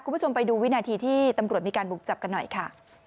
คุณผู้ชมไปดูวินาทีที่ตำรวจมีการบุกจับกันหน่อยค่ะ